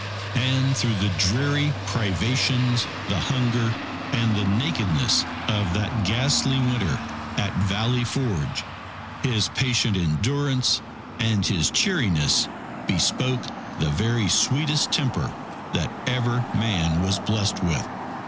And through the dreary privations, the hunger, and the nakedness of that ghastly Winter at Valley Forge, his patient endurance and his cheeriness bespoke the very sweetest temper that ever man was blessed with.